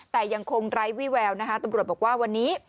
แต่ยังคงไร้วิแววนะคะตำรวจบอกว่าวันนี้